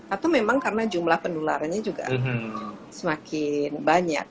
atau memang karena jumlah pendularannya juga semakin banyak